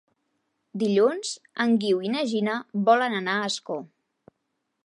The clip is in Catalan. Dilluns en Guiu i na Gina volen anar a Ascó.